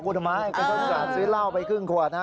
ขอบคุณหมายก็จะสามารถซื้อเหล้าไปครึ่งขวดนะ